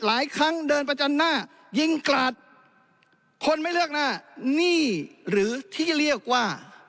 หลายครั้งเดินประจันหน้ายิงกราดคนไม่เลือกหน้านี่หรือที่เรียกว่า